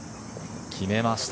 決めました。